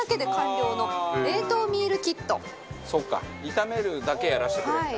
炒めるだけやらせてくれるんだ。